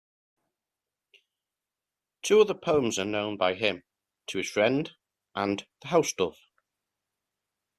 Two other poems are known by him, "To His Friend" and "The Housedove".